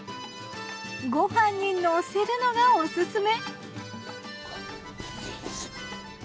ごはんにのせるのがおすすめ。